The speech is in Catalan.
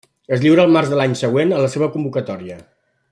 Es lliura el març de l'any següent a la seva convocatòria.